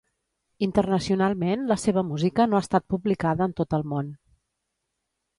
Internacionalment, la seva música no ha estat publicada en tot el món.